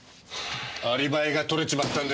アリバイが取れちまったんですよ。